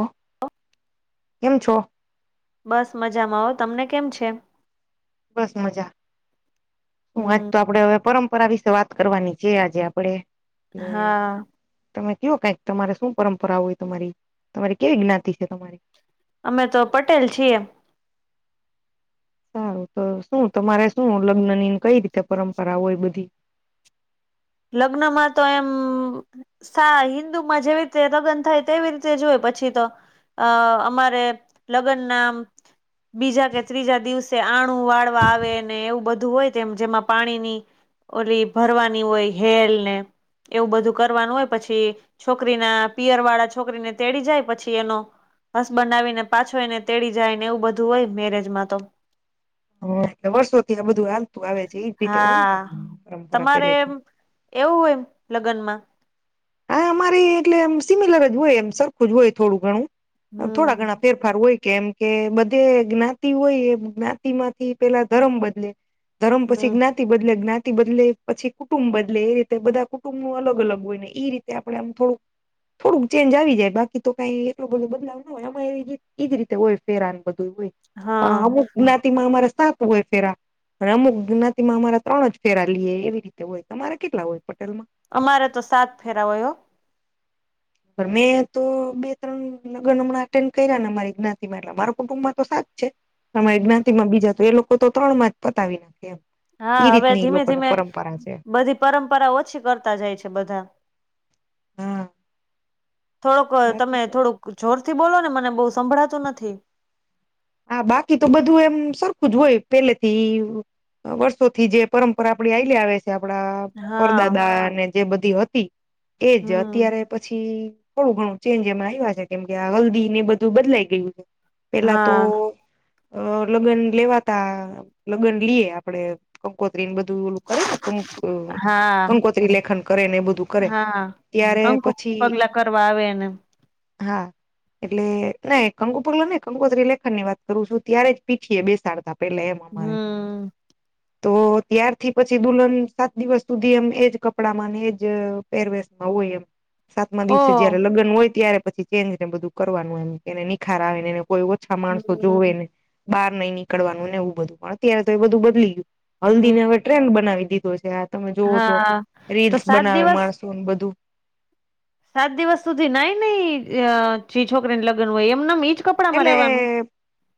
ઓ કેમ છો? બસ મજામાં હો, તમને કેમ છે? બસ મજા. હું આજ હમ તો આપડે હવે પરંપરા વિશે વાત કરવાની છે આજે આપડે હા તમે કયો કાઈક તમારે હું પરંપરા હોય તમારી? તમારી કેવી જ્ઞાતિ સે? અમે તો પટેલ છીએ સારું તો શું તમારે શું, લગ્નની કઈ રીતે પરંપરા હોય બધી, લગ્નમાં તો એમ સા હિન્દુમાં જેવી રીતે લગ્ન થાય તેવી રીતે હોય પછી તો અ અમારે લગ્નના બીજા કે ત્રીજા દિવ આણું વાળવા આવે ને એવું બધું હોય, તેમ જેમાં પાણીની ઓલી ભરવાની હોય, હેલ ને એવું બધું કરવાનું હોય પછી છોકરીના પિયર વાળા છોકરીને તેડી જાય, પછી એનો હસબન્ડ આવીને પાછો એને તેડી જાય ને, એવું બધું હોય મેરેજમાં તો, એટલે વર્ષોથી આ બધું હાલતું આવે છે ઈ જ હોય ને હા તમા પરંપરા તમારે પેલેથી, એવું હોય લગનમાં હા અમારે અરે એટલે એમ સિમિલર જ હોય, એમ સરખું જ હોય થોડું ઘણું થોડા હમ ઘણા ફેરફાર હોય કે એમ કે બધે જ્ઞાતિ હોય એ જ્ઞાતિમાંથી પેલા ધરમ બદલે ધરમ હમ પછી જ્ઞાત બદલે, જ્ઞાતિ બદલે, પછી કુટુંબ બદલે, એ રીતે બધા કૂટૂબનુ અલગ અલગ હોય ઇ એ રીત આપણે આમ થોડુંક થોડુંક ચેન્જ આવી જાય બાકી તો કઈ એટલો બધો બદલાવ એજ રીતે હોય ફેરા બધું હોય હા અમુક જ્ઞાતિમાં અમારે સાત હોય ફેરા, અને અમુક જ્ઞાતિમાં અમારા ત્રણ જ ફેરા લીયે એવી રીતે હોય તમારે કેટલા પટેલમાં અમારે તો સાત ફેરા હોય હો મેં તો બે ત્રણ લગ્ન હમણાં અટેન્ડ કર્યા ને, અમારી જ્ઞાતિમાં એટલે માર કુટુંબમાં તો સાત છે, અમારી જ્ઞાતિમાં બીજા એ લોકો તો ત્રણમાં જ પતાવી દે એમ, હા ઈ હવે રીતની ધીમે લોકોને ધીમે પરંપરા છે બધી પરંપરા ઓછી કરતા જાય છે બધા, હા થોડુંક બાકી તમે તો થોડુંક જોરથી બોલો ને મને બહુ સંભળાતું નથી બાકી તો બધું એમ સરખું જ પેલેથી વર્ષોથી જે પરંપરા આપડી હાયલી આવે છે. આપડા હા પરદાદા ને જે બધી હતી એજ હમ અત્યારે પછી થોડું ઘણું ચેન્જ એમાં આવ્યા છે કેમ કે આ હલ્દી ને બધું બદલાઈ ગયું છે. પેલા તો હા અ લગ્ન લેવાતા લગ્ન લઈએ આપડે કંકોત્રી ને બધું એલું કરે ને કં હા કંકોત્રી લેખન કરે ને એ બધું કરે હા ત્યારે કંકુ પછી પગલા કરવા આવે ને હા એટલે નઈ કંકુ પગલા નઈ કોંકોત્રી લે ની વાત કરું છું ત્યારે જ પીઠી એ બેસાડતા પેલા એમ અમારે હમ તો ત્યારથી પછી દુલ્હન સાત દિવસ સુધી એમ એજ કપડામાંને એજ પેરવેશમાં હોય એમ સાતમા ઓ દિવસે જયારે લગ્ન હોય ત્યારે પછી ચેન્જને બધું કરવાનું એમ એને નિખાર આવે ને એ કોઈ હોઈ આ માણસો જોવે હમ ને બહાર નઈ નીકળવાનું ને એવ બધું પણ અત્યારે તો એ બધું બદલી ગયું હલ્દી હમ ને હવે ટ્રેન્ડ બનાવી દીધો છે આ તમે જોવો તો હા તો રીલ્સ સાત બનાવે દિવસ માણ [unintelligible] બધું સાત દિવસ સુધી નાઈ જે છોકરીને લગ્ન હોય એમ ઈ એટલે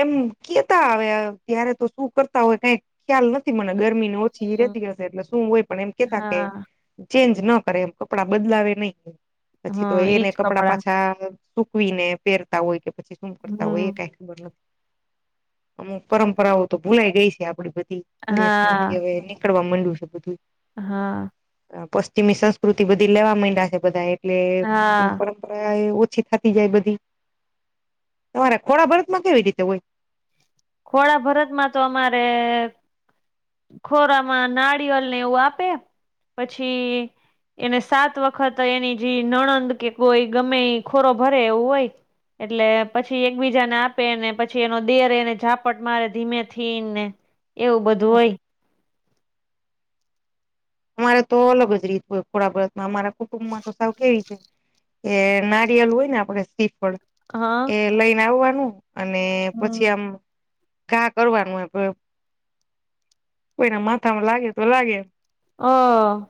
એમ કેતા આવે ત્યારે તો શું કરતા હોય કઈ ખ્યાલ નથી મને ગરમી પછી રેતી હશે એટલે શું હોય પણ એમ કેતા કે હા ચેન્જ ન કરે એમ કપડાં બદલાવે નઈ પછી તો હા એને એજ કપડા પાછા સુકવીને પહેરતા હોય કે પછી શું મ કરતા હોય હમ એ ક અમુક પરંપરાઓ તો ભૂલાઈ ગઈ છે આપડી બધી દેશ માંથી હા હવે નીકળવા માંડ્યું છે બધું. હા. પશ્ચિમી સંસ્કૃતિ બધી લેવા માંડ્યા છે બધા એટલે હા [unintelligible] ઓછી થતી જાય બધી તમારે ખોડા ભરત માં કેવી રીતે હોય? ખોડા ભરતમાં તો અમારે ખોરામાં નારિયલ ને એવું આપે પછી એને સાત વખત એની જે નણંદ કે કોઈ ગમે ખોરો ભરે, એવું હોય. એટલે પછી એકબીજાને આપેને પછી એનો દિયર એને ઝાપટ મારે ધીમેથી ને એવું બધું હોય. અમારે તો અલગ જ રીત હોય ખોડા ભરતમાં, અમારા કુટુંબમાં તો સાવ કેવી છે એ નારિયલ હોય ને આપડે સિફળ હા એ લઈને આવવાનું અને પછી હમ આમ ઘા કરવાનું કોઈના માથામાં લાગે તો લાગે હા.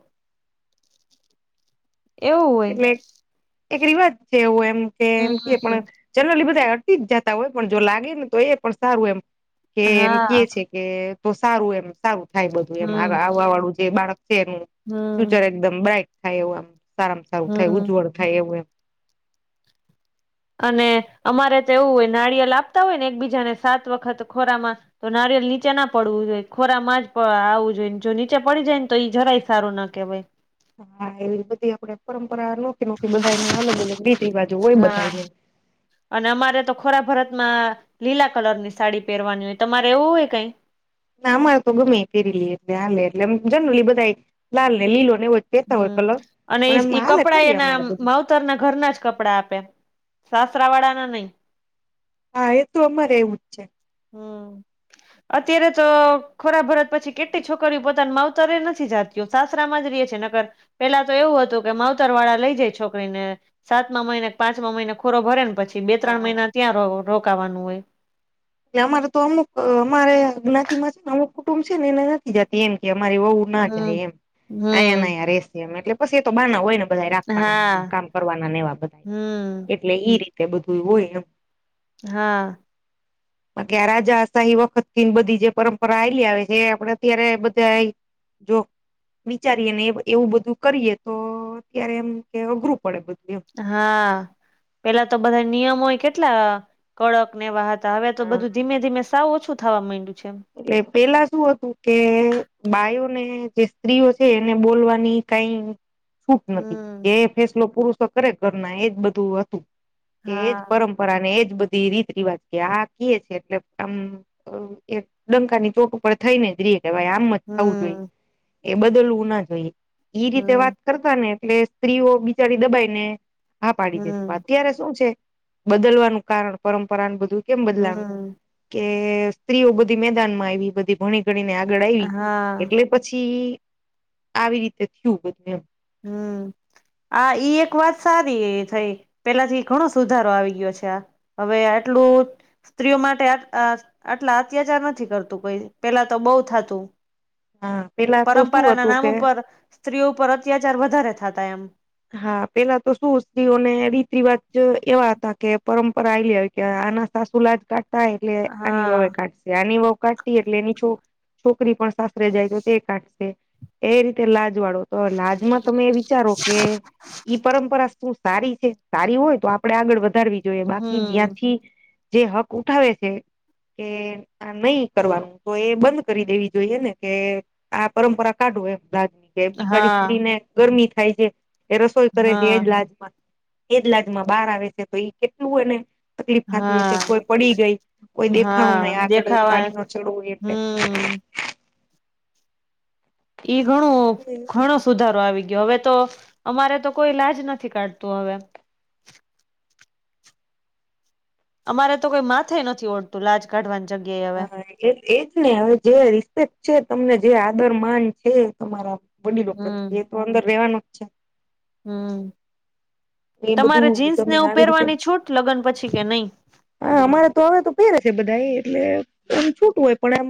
એવું હોય. એટલે એક રિવાજ છે એવું એમ કે એમ ક હમ્મ, પણ જનરલી બધા અટકી જ જાતા હોય પણ જો લાગે ને તો એ પણ સારું એમ કે એમ હા, કે કે તો સારું એમ સારું થાય બધું એમ હમ્મ, આવવા વાળું જે બાળક છે એનું હમ્મ, ફ્યુચર એકદમ બ્રાઇટ થાય એવું એમ, સારામાં સારું થાય હમ્મ. ઉજ્જવળ થાય એવું એમ અને અમારે તો એવું હોય નારિયેલ આપતા હોય ને એકબીજાને સાત વખત ખોરામાં તો નારિયલ નીચે ના પડવું જોઈ ખોરામાં જ આવું જોઈ, જો નીચે પડી જાય ને તો ઈ જરાય સારું ના કેવાય. હા, એવી બધી આપડે પરંપરા નોખી નોખી બધાને અલગ અલગ રીત રિવાજો હોય હા. બધાઈને અને અમારે તો ખોરા ભરતમાં લીલા કલર ની સાડી પહેરવાની હોય, તમારે એવું હોય કઈ? ના અમારે તો ગમે પેરીલી એટલે હાલે, એટલે એમ જનરલી બધા લાલ ને લીલો ને વ હમ્મ અને ઈ કપડા એના અમારે બધું માઉ તર ના ઘરના જ કપડા આપે, સાસરા વાળા ના નઈ. હા, એતો અમારે એવું જ છે. હમ્મ. અત્યારે તો ખોરા ભરત પછી કેટલી છોકરીઓ પોતાની માવતરે નથી જાતી. સાસરામાં જ રહી છે નકર પેલા તો એવું હતું કે માવતર વાળા લઈ જાય છોકરીને. સાતમા મહિને કે પાંચમા મહિને ખોરો ભરે ને પછી બે ત્રણ હા મહિના ત્યાં રોકાવાનું હોય. એ અમારે તો અમુક અમારે જ્ઞાતિમાં છેને અમુક કુટુંબ છે ને એને નથી જતી એમ કે અમારી વહુ ના જાય હમ એમ, આયા ને હમ આયા રે એટલે પછી તો બાના હોય ને બધા રાખવાના એ હા કામ કરવાના નેવા બધા હમ એટલે ઈ રીતે બધું હોય એમ હા. બાકી આ રાજાશાહી વખતનથી બધી જે પરંપરા હાલી આવે છે એ આપડે અત્યારે બધાય જો વિચારીએ ને એવું બધું કરીએ તો અત્યારે એમકે અઘરું પડે બધું એમ હા, પેલા તો બધા નિયમોય કેટલા કડક ને વાહ હવે તો એમ. બધું ધીમે ધીમે સાવું ઓછું થવા માંડ્યું છે. એટલે પેલા શું હતું કે બાયોને જે સ્ત્રીઓ છે એને બોલવાની કઈ છૂટ નથી હમ એ ફેસલો પુરુષો કરે ઘરના એજ બધું [unintelligible] એજ હા પરમ પરા ને એજ બધી રીત રિવાજ કે આ કે છે એટલે આમ ડંકાની ચોટ ઉપર થઈ ને જ રઈએ કે ભાઈ આમ જ થવું જોઈએ હમ એ બદલવું ના જોઈએ ઈ રીતે હમ વાત કરતા ને એટલે સ્ત્રીઓ બિચારી દબાઈને હા પાડી દેતી હમ અત્યારે શું છે બદલવાનું કારણ પરંપરાનું બધુંય કેમ બદલાનું હમ કે સ્ત્રીઓ બધી મેદાન માં આવી બધી ભણી ગણીને આગળ આવી હા એટલે પછી આવી રીતે થયું બધું એમ હમ આ ઇ એક વાત સારી થઈ પેલાથી ઘણો સુધારો આવી ગયો છે આ હવે આટલું સ્ત્રીઓ માટે આટલા અત્યાચાર નથી કરતું કોઈ પેલા તો બહુ થતું હા પેલા તો શું પરંપરાના હતું નામ કે ઉપર સ્ત્રીઓ ઉપર અત્યાચાર વધારે થતા એમ હા પેલા તો શું સ્ત્રીઓને રીત રિવાજ એવા હતા કે પરંપરા આલી આવી કે આના સાસુ લાજ કાતા એટલે આની વાવ હા કાઢશે આની વાવ કાઢતી એટલે એની છોક છોકરી પણ સાસરે જાય તો તે કાઢશે એ રીતે લાજ વાળો તો લાજમાં તમે એ વિચારો કે ઈ પરંપરા શું સારી છે સારી હોય તો આપડે આગળ વધારવી જોયે બાકી હમ જ્યાંથી જે હક ઉઠાવે છે કે આ નહી કરવાનું તો એ બંધ કરી દેવી જોઈએ આ પરંપરા કાઢું એમ લાજ કે બિચારી હા સ્ત્રીને ગરમી થાય છે એ રસોઈ કરે છે એજ હા લાજમાં એજ લાજ માં બહાર આવે છે તો ઈ કેટલું અને તકલીફ થતી જશે હા કોઈ પડી ગઈ કોઈ દેખાણું હા નહી આગળ દેખાવા સાડીનો છેડો હોય એટલે હમ એ ઘણું હમ ઘણ- સુધારો આવી ગયો હવે તો અમારે તો કોઈ લાજ નથી કાઢતું હવે અમારે તો કોઈ માથે નથી ઓઢતુ લાજ કાઢવાની જગ્યાએ હવે હા એ એજ ને હવે જે રિસ્પેક છે તમને જે આદર માન છે તમારા વડીલો હમ પ્રતયે એ તો અંદર રેવાનો જ છે હમ એ તમારે બધું જીન્સ ને તમે એવું આવી રીતે પહેરવાની છૂટ લગ્ન પછી કે નહી હા અમારે તો હવે તો પેરે છે બધા એટલે એમ છૂટું હોય પણ એમ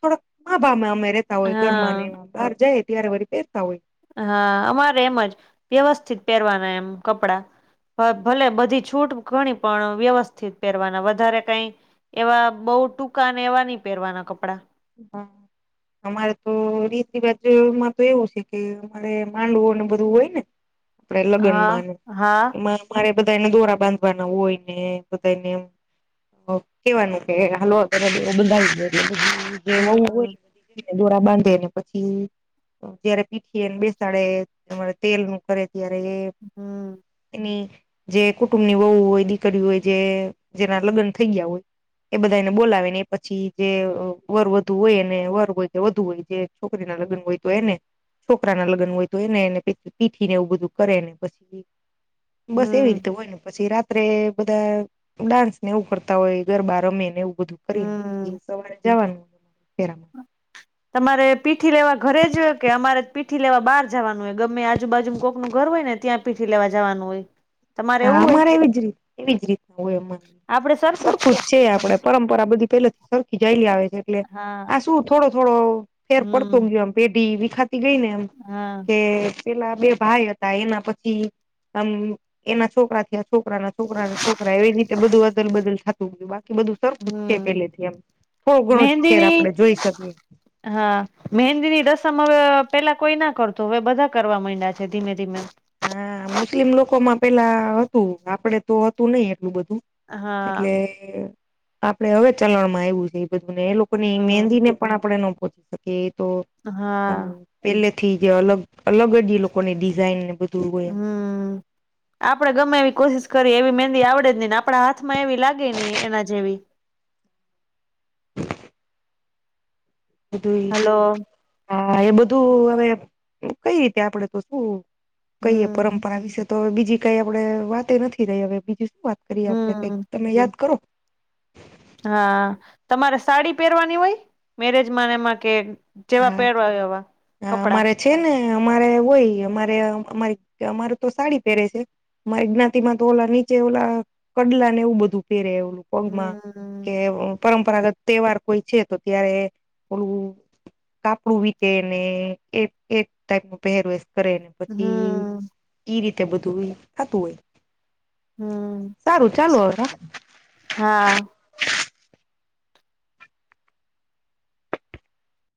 થોડક માભામે અમે ર રહેતા હોય ઘરમાં ને હા બહાર જાય ત્યારે વરી પહેરતા હોય છે હા અમારે એમ જ વ્યવસ્થિત પહેરવાના એમ કપડા ભલે બધી છૂટ ઘણી પણ વ્યવસ્થિત પહેરવાના વધારે કઈ એવા બહુ ટૂંકા અને એવા નહિ પહેરવાના કપડાં હા અમારે તો રીત રિવાજમાં તો એવું છે કે મારે માંડવુંને બધું હોય ને આપડ લગ્ન હા માં હા એમાં મારે બધા એને દોરા હોય બધા એને કેવાનું કે હાલવા કરવ બ વવું હમ હોય દોડા બાંધેને પછી જયારે પીઠી એને બેસાડેરે તેલ નું કરે ત્યારે એ હમ જે કુટુંબ ની વહુ હોય હોય જે જેના લગ્ન થઈ ગયા હોય બધા એને બોલાવીને પછી વર વધુ હોય એને વર હોય કે વધુ હોય જે છોકરી ના લગ્ન તો એને છોકરા ના લગ્ન હોય તો એને એને પીઠી ને એવું બધું કરે ને પછી બસ એવી હમ રીતે હોય ને પછી રા રાત્રે બધાયે ડાન્સ ને એવું કરતા હોય ગરબા રમે ને એવું બધું કરીએને હમ પછી સવારે જવાય કેરા તમારે પીઠી લેવા ઘરે જ કે અમારે જ પીઠી લેવા બહાર જવાનું હોય ગમે આજુ બાજુ કોકનું ઘર હોય ને ત્યાં પીઠી લેવા જવાનું હોય તમારે ના એવું હોય અમારે એવી જ રીત એવી જ રીતના હોય અમારે સરખું જ છે આપડે પરંમપરા આ બધી પેલાથી સરખી જાયેલી આવે છે એટલે હા આ શું થોડો થોડો ફેર પડતો હમ ગયો એમ પેઢી વિખાતી ગઈને એમ હા કે પેલા બે ભાઈ હતા એના પછી આમ એના છોકરા થયા છોકરા ના છોકરા છોકરા એવી રીતે બધું અદલ બદલ થતું ગયું બાકી બધું સરું છે હમ પેલેથી એમ બઉ ઘણો ફેર મહેંદીની આપડે જોઈ શકીએ હા મહેંદી ની રસમ હવે પેલા કોઈ ના કરતુ હવે બધા કરવા માંડ્યા છે ધીમે ધીમે હા મુસ્લિમ લોકોમાં પેલા હતું આપડે તો હતું નહિ એટલું બધું એટલે હા આપડે હવે ચલણમાં આવું છે એ બધુંને એ લોકોની હમ મેંહદી ને પણ આપણે નો પહોંચી શકીએ એ તો આમ હા પેલેથી જે અલગ અલગ જ એ લોકોની ડિઝાઇન ને બધું હોય. હમ આપડે ગમે એવી કોશિશ કરીએ એવી મહેંદી આવડે જ નહીને આપણા હાથમાં એવી લાગે ને એના જેવી બધું હલો હા એ બધું હવે કઈ રીતે આપડે તો શું કઈએ હમ પરંપરા વિશે તો બીજી કઈ આપણેે વાતે નથી રહી હવે બીજી શું વાત કરીએ આપડે કઈક હમ તમે યાદ કરો? હા તમારે સાડી પહેરવાની હોય મેરેજમાં એમાં કે જેવા પહેરવા એવા હ કપડા અમારે છે ને અમારે હોય અમારે અમારી અમારે તો સાડી પહેરે છે. મા જ્ઞાતિમાં તો ઓલા નીચે ઓલા કડલા ને એવું બધું પેરે એવુ પગમાં હમ કેવું. પરંપરાગત તહેવાર કોઈ છે તો ત્યારે ઓલું કાપડું વીતે અને એક એક ટાઈપ નુ પહેરવેશ કરે પછી હમ ઈ રીતે બધું ઈ થાતું હોય હમ સારું ચાલો હવે હા